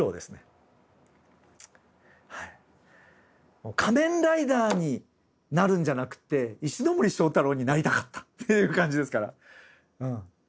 もう仮面ライダーになるんじゃなくって石森章太郎になりたかったという感じですから。